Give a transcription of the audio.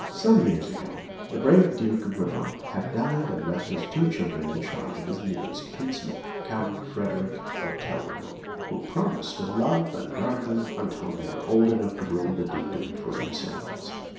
Some years ago, the brave Duke of Brabant had died and left his two children in the charge of his nearest kinsman, Count Frederick of Telramund, who promised to love and guard them until they were old enough to rule the Dukedom for themselves.